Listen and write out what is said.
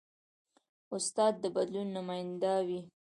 استاد د بدلون نماینده وي.